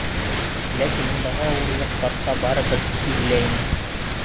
Ләкин ундағы ауырлыҡ ҡартҡа барыбер һиҙелә ине.